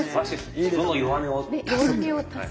自分の弱音を足す。